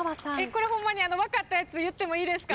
これホンマに分かったやつ言ってもいいですか？